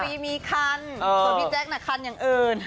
ชะนีมีคันส่วนพี่แจ๊คนะคันอย่างอื่น